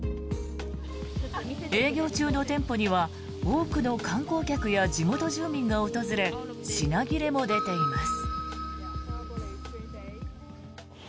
営業中の店舗には多くの観光客や地元住民も訪れ品切れも出ています。